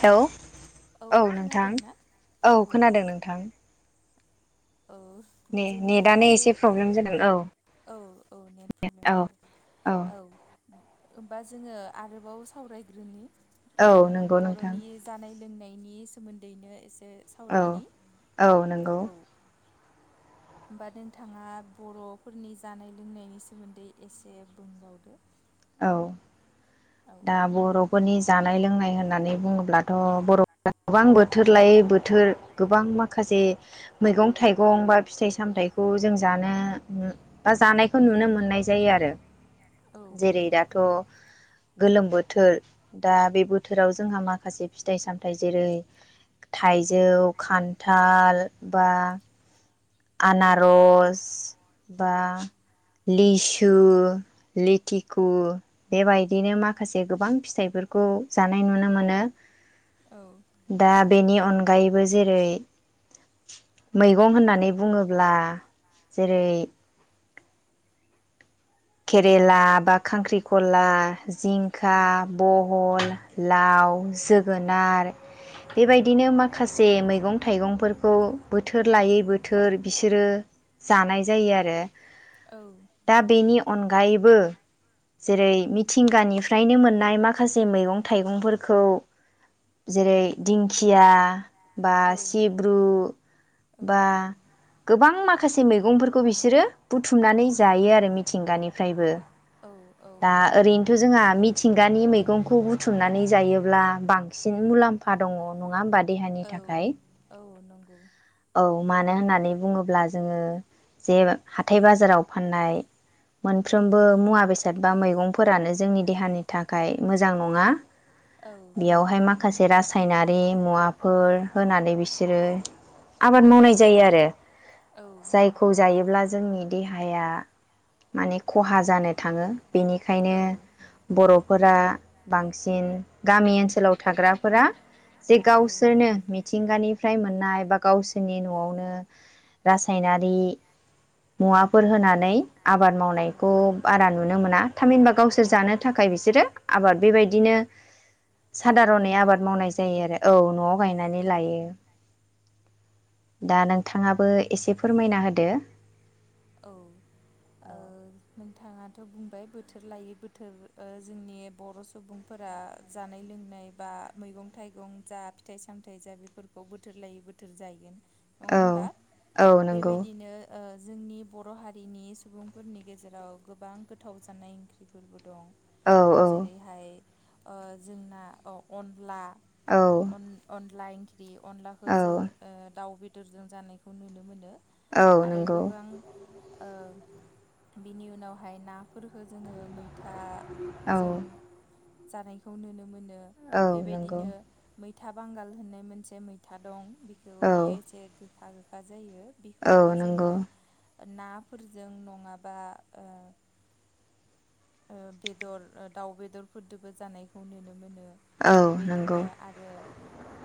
हेव औ नोंथां औ खोनादों नोंथां औ ने जों नेटआनो दायो एसे प्रब्लेम जादों औ औ औ नेट प्रब्लेम औ जादों औ होमबा जोङो आरोबाव सावरायग्रोनि औ नंगौ नोंथां नि सोमोन्दैनो एसे औ सावरायनि औ नोंगौ औ होमबा नोंथाङा बर'फोरनि जानाय लोंनायनि सोमोन्दै एसे बुंबावदो औ औ दा बर'फोरनि जानाय लोंनाय होननानै बुङोब्लाथ' बर'फोरा गोबां बोथोर लायै बोथोर गोबां माखासे मैगं थाइगं बा फिथाइ सामथायखौ जों जानो बा जानायखौ नुनो मोननाय जायो आरो औ जेरै नंगौ दाथ' गोलोम बोथोर दा बे बोथोराव जोंहा माखासे फिथाइ सामथाय जेरै थाइजौ खान्थाल बा औ आनारस बा औ लिसु लिथिखु बेबायदिनो माखासे गोबां फिथाइफोरखौ जानाय नुनो मोनो दा बेनि अनगायैबो जेरै मैगं होननानै बुङोब्ला जेरै केरेला बा खांख्रिखला जिंखा बहल लाव जोगोनार बेबायदिनो माखासे मैगं थाइगंफोरखौ बोथोर लायै बोथोर बिसोरो जानाय जायो आरो औ दा बेनि अनगायैबो औ जेरै मिथिंगानिफ्राय फ्रायनो मोननाय माखासे मैगं थाइगंफोरखौ जेरै दिंखिया औ बा औ सिब्रु जायो बा गोबां माखासे मैगंफोरखौ बिसोरो बुथुमनानै जायो आरो। मिथिंगानिफ्रायबो औ औ दा नंगौ ओरैनोथ जोंहा मिथिं गानि मैगंखौ बुथुमनानै जायोब्ला बांसिन मुलाम्फा दङ नङा होमबा। देहानि औ थाखाय औ नंगौ। औ मानो होननानै बुङोब्ला जोङो जे हाथाय बाजाराव फाननाय औ मोनफ्रोमबो मुवा बेसाद बा मैगं फोरानो जोंनि देहानि थाखाय मोजां नङा। औ बेयावहाय मा खासे रासायनारि मुवाफोर होनानै बिसोरो आबाद मावनाय जायो आरो। औ जायखौ जायोब्ला जोंनि देहाया माने खहा जानो थाङो। बेनिखायनो बर' फोरा बांसिन गामि ओनसोलाव थाग्राफोरा जे औ गावसोरनो मिथिंगानिफ्राय मोन नाय बा गावसोरनि न'आवनो रासायनारि मुवाफोर होनानै आबाद मावनायखौ बारा नु नो मोना। थामिनबा गावसोर जानो था खाय बिसोरो आबाद बेबायदिनो न'आव सादारनै गायना आबाद लायो मावनाय जायो आरो। औ न'आव गायनानै लायो। दा नोंथाङाबो एसे फोरमायना होदो। औ, ओ नोंथाङाथ' बुंबाय बोथोर लायै बोथोर ओ जोंनि बर' सुबुंफोरा जानाय लोंनाय बा मैगं थाइगं जा फिथाइ सामथायाइ जा बेफोरखौ बोथोर लायै बोथोर जाहैगोन नङा औ होनबा? औ नंगौ बेबायदिनो जोंनि बर' हारिनि सुबुंफोरनि गेजेराव गोबां गोथाव जानाय ओंख्रिफोरबो दं। औ औ जेरैहाय ओ जोंना अ अनला, औ अन अन [unintelligible] ख्रि। अनलाखौ जों औ ओ दाउ बे दरजों जानायखौ नुनो मोनो। औ आरो नंगौ। गोबां ओ बिनि उनावहाय नाफोरफोरखौ जोङो मै था औ जों जानायखौ नुनो मोनो। औ नंगौ बेबायदिनो मै था बांगाल होननाय मोनसे मैथा दं बेखौ बियो औ एसे गोखा गोखा जायो। बेखौबो औ नंगौ जोङो नाफोरजों नङाबा ओ बेदर दाउ बेदरफोरजदोंबो जानायखौ नुनो मोनो। औ नंगौ बेबायदिनो आरो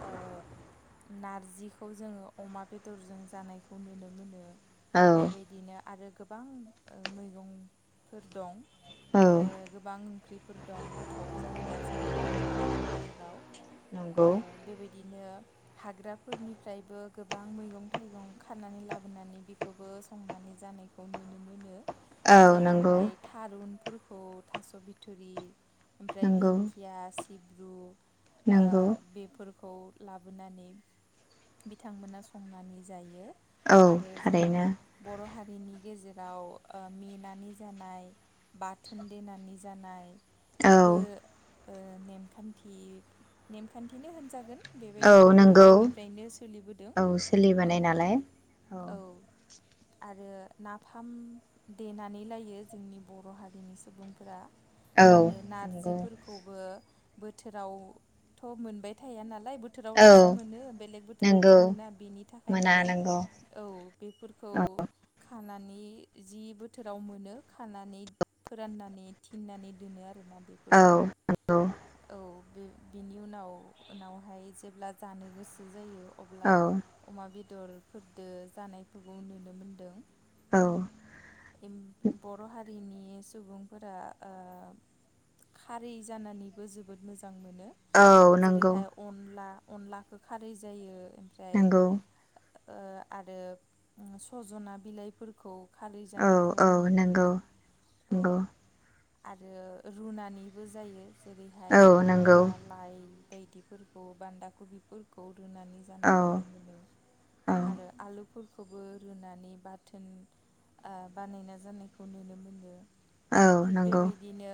औ नारजिखौ जोङो अमा बेदरजों जानायखौ नुनो मोनो। औ बेबायदिनो आरो गोबां ओ मैगंफोर दं। औ ओ गोबां ओंख्रिफोर दं गोथाव जाग्रा जोंनि बर' हारिनि गेजेराव नंगौ ओ बेबायदि बिदिनो हाग्राफोरनिफ्रायबो गोबां मैगं थाइगं खानानै लाबोनानै बेखौबो संनानै जानायखौ नुनो मोनो। औ नंगौ। उनफोरखौ थास' बिथुरि ओमफ्राय नंगौ धिंखिया सि हिब्रु ओ नंगौ बेफोर खौ लाबोनानै बिथांमोना संनानै जायो। औ आरो जोंनि थारैनो बर' हारि बेनि गेजेराव ओ मेनानि जानाय बाथोन देनानै जानाय औ बो ओ नेमखान्थि नेमखान्थिनो होनजागोन। बेबायदि औ गोदो नंगौ गोदायनिफ्रायनो सोलिबोदों, औ औ सोलिबोनाय नालाय औ। आरो नाफाम देनानै लायो जोंनि बर' हारिनि सुबुंफोरा औ आरो नंगौ नारजिफोरखौबो बोथोरावथ' मोनबाय थाय नाल लाइ बोथोरावल'सो औ मोनो बेलेग बोथोरावथ' नंगौ मोना बेनि थाखाय मोना माने नंगौ औ बेफोरखौ औ खानानै जि बोथोराव मोनो खानानै फोराननानै थिननानै दोनो आरो रोना औ बेफोरखौ नंगौ औ बे बिनि उनाव उनावहाय जेब्ला जानो गोसो जायो अब्ला औ अमा बिद दरफोरदो जानायफोरखौ नुनो मोनदों। औ। बर' हारि रिनि सुबुंफोरा ओ खारै जानानैबो जोबोद मोजां जां मोनो औ नंगौ जेरैहाय अनला अनलाखौ खारै जायो ओमफ्राय नोंगौ ओ आरो सजना बिलाइफोरखौ खा औ जानायखौ औ नुनो नंगौ मोनदों औ नंगौ आरो रुनानैबो जायो औ जेरैहाय नंगौ लाफा लाइ बायदिफोरखौ बान्दा कबिफोरखौ रुनानै जानाय औ नुनो मोनो औ आरो आलुफोर खौबो रुनानै बाथोन आ बानायना जानायखौ नुनो मोनदों औ थिग नंगौ। बेबायदिनो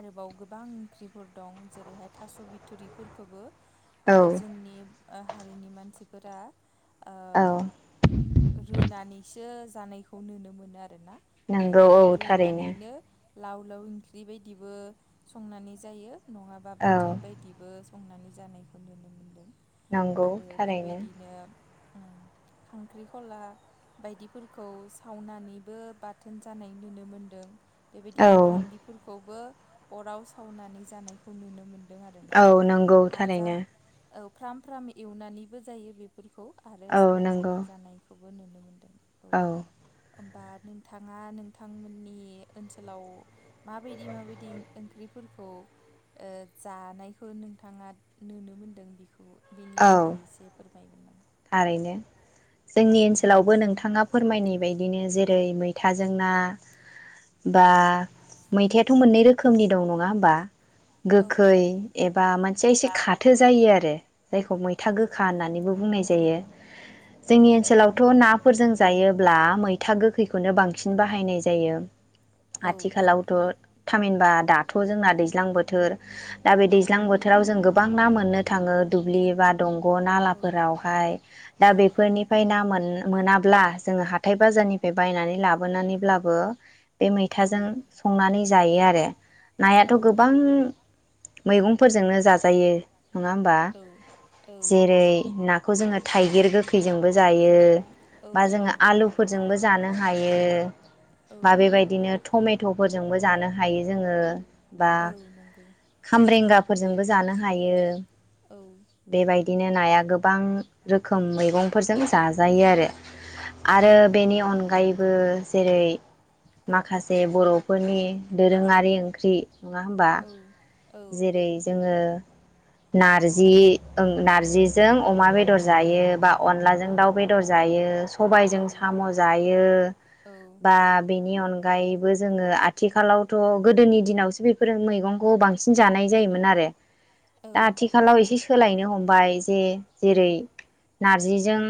आरोबाव गोबां ओंख्रिफोर दं जेरैहाय थास' बिथ'रिफोरखौबो ओ औ जोंनि ओ हारिनि मानसिफोरा ओ औ रुनानि सो जानायखौ नुनो मोनो आ रोना बेखौ नंगौ औ थारैनो रुनानैनो लाव लोव ओंख्रि बायदिबो संनानै जायो नङाबा औ बाथोन बायदिबो संनानै जानायखौ नुनो मोन्दों नंगौ थारैनो। उम खांख्रिखला बायदिफोरखौ सावनानैबो बाथोन जानाय नुनो मोनदों। बेबायदिनो औ भिन्दिफोरखौबो अराव सावनानै जानायखौ नुनो मोन औ नंगौ थारैनो। औ फ्राम फ्राम एवनानैबो जायो बे फोरखौ आरो औ सावनानै नंगौ जानायखौ नुनो मोनदों। औ होमबा नोंथाङा नोंथांमोननि ओनसोलाव माबायदि माबायदि ओंख्रि फोरखौ ओ जानायखौ नोंथाङा नुनो मोनदों बिखौ बिनि बागै औ एसे फोर बायगोन नामा थारैनो। जोंनि ओनसोलावबो नोंथाङा फोरमायनाय बायदिनो जेरै मैथाजों ना बा मैथायाथ' मोननै रोखोमनि दं नङा होमबा औ गोखै नंगौ एबा मानसेया एसे एबा मोन खाथो जायो आरो जायखौ मैथा औ गोखा होननानैबो बुंनाय जा यो। औ जोंनि ओनसोलावथ' ना फोरजों जायोब्ला मैथा गोखैखौनो बांसिन बाहायनाय जायो। औ आथिखालावथ' थामहिनबा दाथ' जोंना दैज्लां बोथोर दा बे दैज्लां बोथोराव जों गोबां ना मोननो थाङो दुब्लि एबा दंग' औ नालाफोराव औ दा बेफोरनिफ्राय ना मोन उम मोनाब्ला जोङो हाथाय बाजारनिफ्राय बायनानै लाबोनानैब्लाबो बे मैथाजों संनानै जायो आर रो नायाथ' औ गोबां मैगंफोरजोंनो जाजायो। नङा होमबा औ जेरै ना खौ जोङो थाइगिर गोखैजोंबो जायो। औ बा जोङो नंगौ आलुफोरजोंबो जानो हायो। औ माबेबायदिनो टमेटफोरजोंबो जानो हायो जोङो बा औ नंगौ खामब्रेंगा फोरजोंबो जानो हायो औ बेबाय दिनो नाया गोब बां रोखोम मैगंफोरजों जाजायो आरो आरो औ बेनि अनगायैबो जेरै माखासे बर'फोरनि दोरोङारि ओंख्रि नङा होनोमबा जेरै जोङो नारजि ओं नारजिजों अमा बेदर जायो बा अनलाजों दाउ बेदर जायो औ सबायजों साम जायो औ बा बेनि अन गायबो जोंङो आथिखालावथ गोदोनि दिनावसो बेफोरो मैगंखौ बांसिन जानाय जायोमोन आरो औ दा आथिखालाव एसे सोलायनो हमबाय जे औ जेरै नारजिजों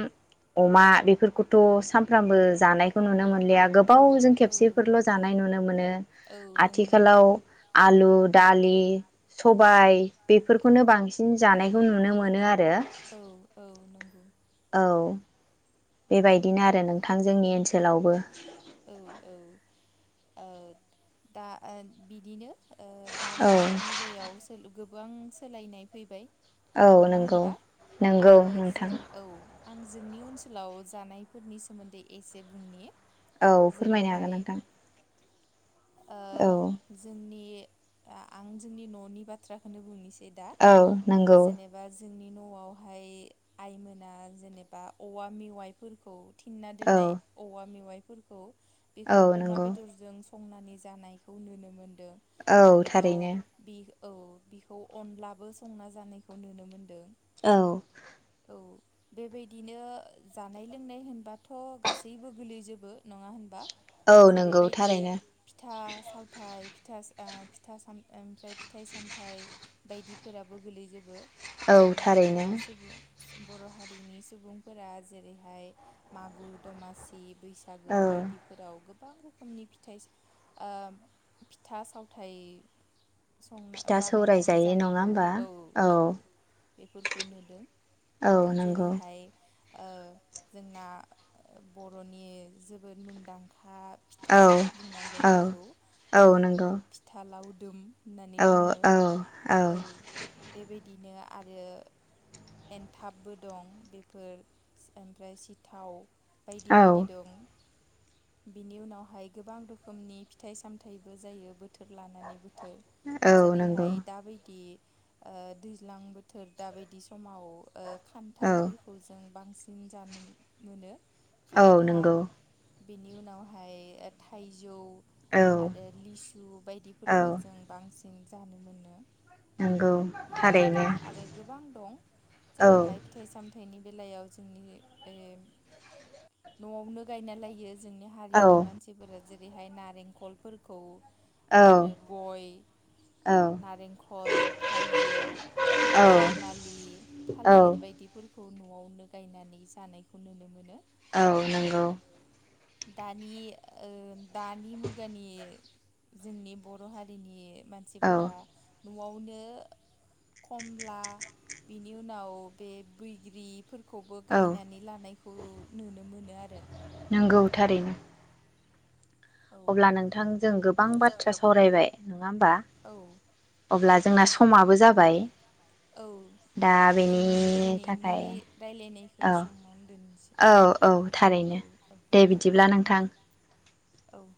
अमा बेफोरखौथ सानफ्रामबो जानायखौ नुनो मोनो औ गोबावजों औ खेबसेफोरल जानाय नुनो मोनो औ नंगौ आथिखालाव आलु दालि सबाय बेफोरखौनो बांसिन जानायखौ नुनो मोनो आरो औ औ नंगौ औ बेबायदिनो आरो नोंथां जोंनि ओनसोलावबो औ औ दा ओ बिदिनो ओ औ दानि मुगायाव सो गोबां सोलायनाय फैबाय औ नङा नंगौ होनबा नंगौ आरो नोंथां जों औ आं जोंनि ओनसोलाव जानायफोरनि सोमोन्दै एसे बुंनि औ फोरमायनो हागोन जेरैहाय नोंथां ओ औ जोंनि आं जोंनि न'नि बाथ्राखौनो बुंनोसै दा औ ओ नंगौ जेनेबा जोंनि न'आवहाय आइमोना जेनेबा औवा मेवाइफोरखौ थिनना औ दोननाय औवा मेवाइ फोरखौ बेखौ औ अमा नंगौ बेदरजों संनानि जानायखौ नुनो मो औ थारैनो। औ बिखौ अनलाबो संना जानायखौ नुनो मोनदों। औ। औ बेबायदिनो जानाय लोंनाय होनबाथ गासैबो गोलैजोबो नङा होनबा? औ नोंगौ जेरैबायदि थारैनो। फिथा सावथा फाय फिथा ओ सान ओमफ्राय फिथाइ सामयाइ बायदिफोराबो गोलैजोबो। औ जोंना थारैनो बर' सुबुं बर' हारिनि सुबुंफोरा जेरैहाय मागु दमासि, बैसागो औ बायदिफोराव गो गोबां रोखोमनि फिथाइ ओ फिथा सावथाइ संना फिथा सौराय बानायनानै जायो नङा जानायखौ होमबा औ औ बेफोरखौ नुदों। औ नंगौ जेरैहाय औ जोंना बर'नि जोबोद मुंदां खा औ फिथा हानांगोन औ बिखौ औ फिथा लावदुम होननानै बुङो। औ बेबायदिनो आरो एनथाबबो दं बेफोर ओमफ्राय सिथाव बायदि बायदि औ दं। बिनि उनावहाय गोबां रोखोमनि फिथाइ सामथाइबो जायो बोथोर लानानै बो औ थोर। नंगौ जेरैहाय दा बायदि ओ दैज्लां बोथोर दाबायदि समाव ओ औ खान्थालफोरखौ जों बांसिन जानो मोनो। औ खान्थाल नंगौ बेनि उनावहाय थाइजौ औ आरो लिसु औ बायदिफोरफोरखौ जों बांसि न जानो मोनो। नंगौ थारैनो बेबायदिनो आरो गोबां दं औ जेरैहाय फिथाइ सामथायनि बेलायाव जोंनि ओ न'आवनो गायनालाय जोंनि औ हारिनि मानसिफोरा जे रैहाय नारेंखलफोरखौ आरो औ गय औ नारेंखल थाइजौ औ रैमालि थालिर बायदिफोरखौ खौ न'आवनो गायनानै जानायखौ नुनो मोनो। औ आरो नंगौ। दानि ओ दानि मुगानि जोंनि बर' हारिनि औ मानसिफोरा न'आवनो खमला बिनि उनाव बे बैग्रि फोरखौबो औ गायनानै लानायखौ नुनो मोनो आरो। आरो। नंगौ थारैनो। औ अब्ला नोंथांजों गोबां बाथ्रा सावरायबाय नङा होमबा औ अब्ला जोंना समाबो जाबाय औ दा होमबा बेनि जोंनि दिनैनि थाखाय रायलायनायखौ औ एसेङावनो दोननोसै औ औ थारैनो औ औ दे औ बिदिब्ला दे। नोंथां औ [unintelligible]